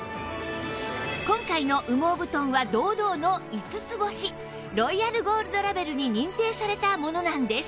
今回の羽毛布団は堂々の５つ星ロイヤルゴールドラベルに認定されたものなんです